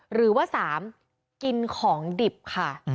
หรือว่า๓กินของดิบค่ะ